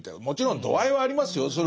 もちろん度合いはありますよ。